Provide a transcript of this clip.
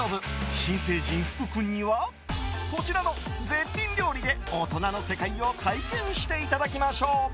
新成人、福君にはこちらの絶品料理で大人の世界を体験していただきましょう。